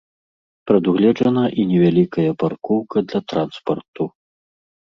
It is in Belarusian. Прадугледжана і невялікая паркоўка для транспарту.